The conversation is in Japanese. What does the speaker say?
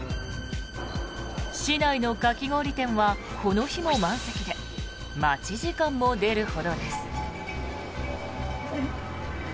市内のかき氷店はこの日も満席で待ち時間も出るほどです。